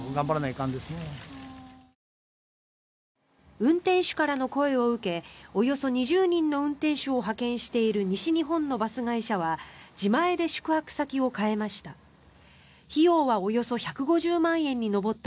運転手からの声を受けおよそ２０人の運転手を派遣している西日本のバス会社は自前で宿泊先を変えました。